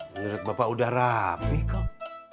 menurut bapak udah rapi kok